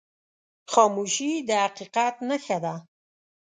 خاموشي، د حقیقت نښه ده.